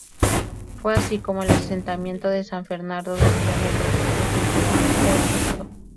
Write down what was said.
Fue así como el asentamiento de San Fernando del Río Negro quedó definitivamente abandonado.